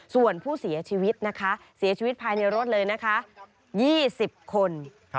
ส่วนผู้เสียชีวิตนะคะเสียชีวิตภายในรถเลยนะคะ๒๐คน